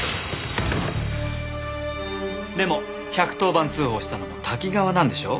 でも１１０番通報したのも瀧川なんでしょ？